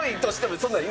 そんな話。